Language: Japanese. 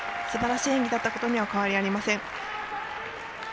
すばらしい演技だったことには変わりありません。